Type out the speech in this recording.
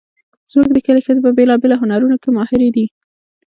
زموږ د کلي ښځې په بیلابیلو هنرونو کې ماهرې دي